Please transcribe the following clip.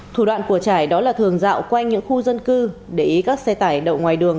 thủ đoạn của trải đó là thường dạo quanh những khu dân cư để ý các xe tải đậu ngoài đường